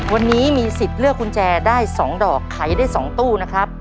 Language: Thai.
วันนี้มีสิทธิ์เลือกกุญแจได้๒ดอกไขได้๒ตู้นะครับ